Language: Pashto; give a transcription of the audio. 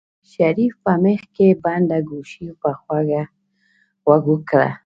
شريف په مېخ کې بنده ګوشي په غوږو کړه.